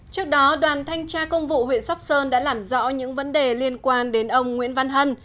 trước đó đoàn thanh tra công vụ huyện sóc sơn đã làm rõ những vấn đề liên quan đến ông nguyễn văn hân